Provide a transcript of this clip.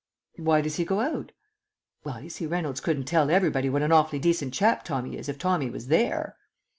"Why does he go out?" "Well, you see, Reynolds couldn't tell everybody what an awfully decent chap Tommy is if Tommy was there."